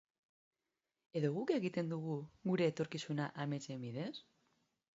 Edo guk egiten dugu gure etorkizuna ametsen bidez?